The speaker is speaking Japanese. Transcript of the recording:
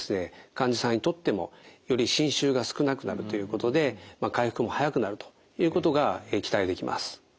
患者さんにとってもより侵襲が少なくなるということで回復も早くなるということが期待できます。